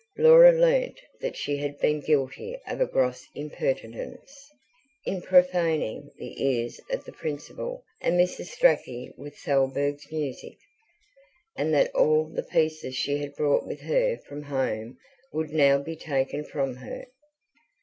Laura learnt that she had been guilty of a gross impertinence, in profaning the ears of the Principal and Mrs. Strachey with Thalberg's music, and that all the pieces she had brought with her from home would now be taken from her.